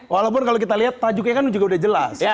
walaupun kalau kita lihat tajuknya kan juga udah jelas